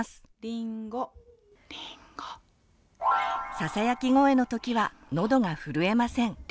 ささやき声のときはのどが震えません。